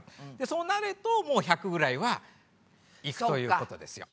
そうなるともう１００ぐらいはいくということですよ。